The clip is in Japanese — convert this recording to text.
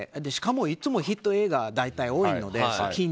しかもいつもヒット映画大体、多いので。